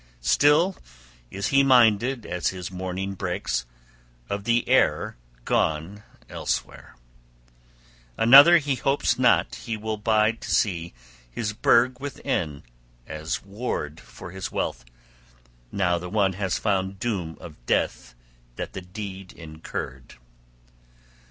Still is he minded, as morning breaks, of the heir gone elsewhere; {32c} another he hopes not he will bide to see his burg within as ward for his wealth, now the one has found doom of death that the deed incurred.